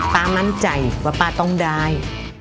ป้ามั่นใจว่าป้าต้องได้